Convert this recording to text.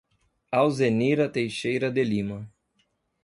Alzenira Teixeira de Lima